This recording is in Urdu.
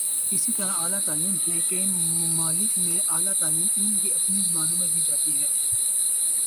اسی طرح اعلی تعلیم ہے، کئی ممالک میںاعلی تعلیم ان کی اپنی زبانوں میں دی جاتی ہے۔